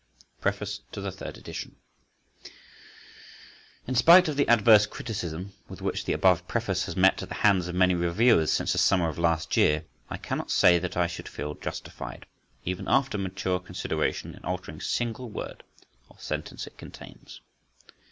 PREFACE TO THE THIRD EDITION(1) In spite of the adverse criticism with which the above preface has met at the hands of many reviewers since the summer of last year, I cannot say that I should feel justified, even after mature consideration, in altering a single word or sentence it contains.